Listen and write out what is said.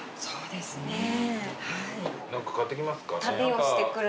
そうですねはい。